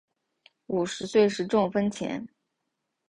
五十岁时中风前